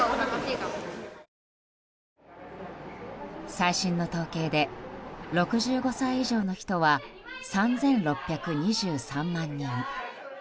最新の統計で６５歳以上の人は３６２３万人。